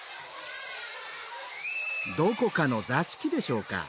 どこかの座敷でしょうか。